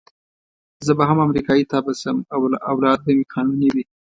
زه به هم امریکایي تبعه شم او اولاد به مو قانوني وي.